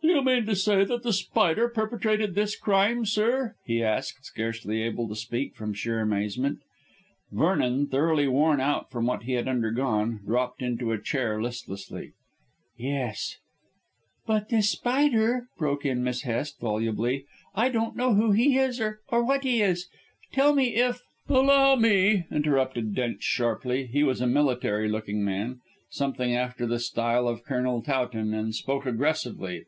"Do you mean to say that The Spider perpetrated this crime, sir?" he asked, scarcely able to speak from sheer amazement. Vernon, thoroughly worn out from what he had undergone, dropped into a chair listlessly. "Yes." "But this Spider?" broke in Miss Hest volubly; "I don't know who he is or what he is. Tell me if " "Allow me," interrupted Drench sharply. He was a military looking man, something after the style of Colonel Towton, and spoke aggressively.